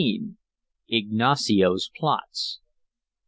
IGNACIO'S PLOTS.